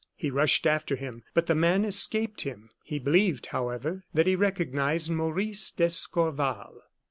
He rushed after him, but the man escaped him. He believed, however, that he recognized Maurice d'Escorval.